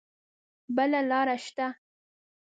بله لار شته؟